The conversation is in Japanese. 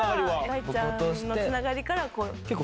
大ちゃんのつながりからこう。